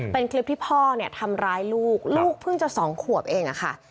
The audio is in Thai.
เป็นคลิปที่พ่อเนี่ยทำร้ายลูกลูกเพิ่งจะ๒ขวบเองอะค่ะ